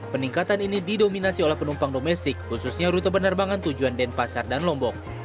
peningkatan ini didominasi oleh penumpang domestik khususnya rute penerbangan tujuan denpasar dan lombok